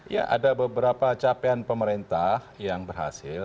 ya ada beberapa capaian pemerintah yang berhasil